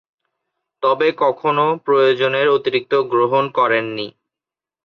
তবে কখনো প্রয়োজনের অতিরিক্ত গ্রহণ করেননি।